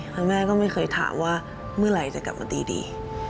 แม่ก็ไม่เคยถามว่าเมื่อไหร่จะกลับมาตีดี